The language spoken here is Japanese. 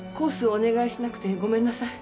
お願いしなくてごめんなさい